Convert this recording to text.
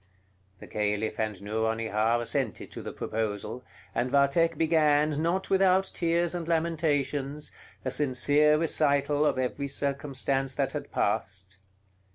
The Caliph and Nouronihar assented to the proposal, and Vathek began, not without tears and lamentations, a sincere recital of every circumstance that had passed.